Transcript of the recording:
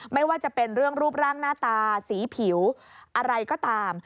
ไม่ว่าจะเป็นเรื่องรูปร่างหน้าตาสีผิวอะไรก็ตาม